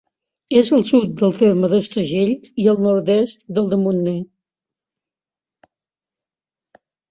És al sud del terme d'Estagell i al nord-est del de Montner.